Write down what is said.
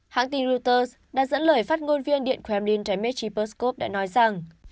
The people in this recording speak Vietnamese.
hãng tin reuters đã dẫn lời phát ngôn viên điện kremlin dremitry peskov đã nói rằng